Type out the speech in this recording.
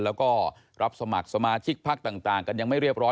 แล้วก็รับสมัครสมาชิกพักต่างกันยังไม่เรียบร้อย